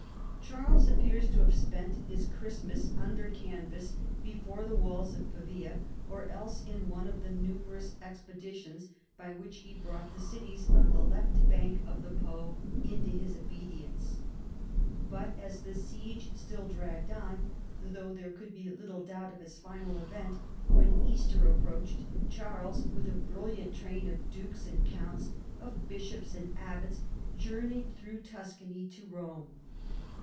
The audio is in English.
Charles appears to have spent his Christmas under canvas before the walls of Pa via, or else in one of the numerous expeditions by which he brought the cities on the left bank of the Po into his obedience. But as the siege still dragged on, though there could be little doubt of its final event, Avhen Easter ap proached, Charles, with a brilliant train of dukes and counts, of bishops and abbots, journeyed through Tuscany to Rome.